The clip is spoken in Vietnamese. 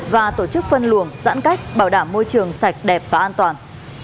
và tổ chức phân luồng giãn cách bảo đảm môi trường sạch đẹp và an toàn